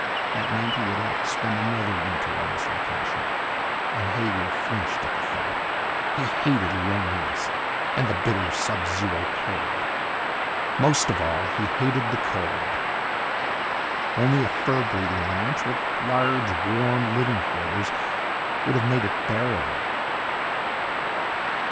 That meant he would have to spend another winter in this location, and Hager flinched at the thought. He hated loneliness and the bitter, subzero cold. Most of all he hated the cold. Only a fur breeding ranch, with large, warm living quarters, would have made it bearable.